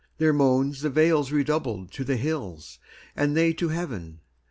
Their moansThe vales redoubled to the hills, and theyTo heaven.